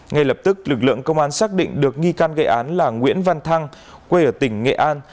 ngay lập tức lực lượng công an xác định được nghi can gây án là nguyễn văn thăng quê ở tỉnh nghệ an